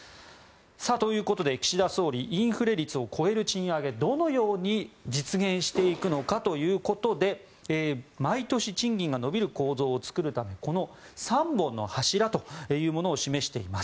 ということで、岸田総理インフレ率を超える賃上げどのように実現していくのかということで毎年、賃金が伸びる構造を作るためこの３本の柱というものを示しています。